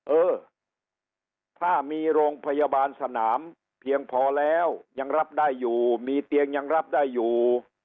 เออถ้ามีโรงพยาบาลสนามเพียงพอแล้วยังรับได้อยู่มีเตียงยังรับได้อยู่